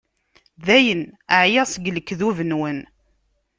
Dayen, εyiɣ seg lekdub-nwen.